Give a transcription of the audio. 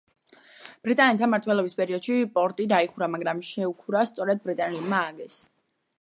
ბრიტანელთა მმართველობის პერიოდში პორტი დაიხურა, მაგრამ შუქურა სწორედ ბრიტანელებმა ააგეს.